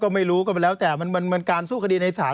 ไม่รู้ก็ไปแล้วแต่มันการสู้คดีในศาล